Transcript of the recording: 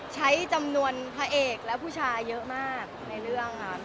ใช้จำนวนพระเอกและผู้ชายเยอะมากในเรื่องค่ะ